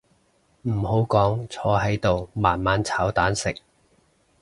唔好講坐喺度慢慢炒蛋食